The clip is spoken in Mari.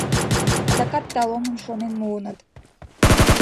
Адакат талоным шонен муыныт.